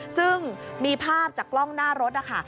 ซึ่งมีภาพจากกล้องหน้ารถนะคะ